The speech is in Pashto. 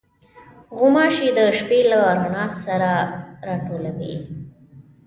غوماشې د شپې د رڼا پر سر راټولېږي.